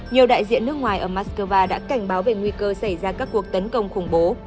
nhiều đại diện nước ngoài ở moscow đã cảnh báo về nguy cơ xảy ra các cuộc tấn công khủng bố